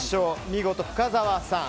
見事、深澤さん。